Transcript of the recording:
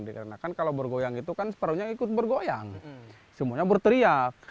dikarenakan kalau bergoyang itu kan separuhnya ikut bergoyang semuanya berteriak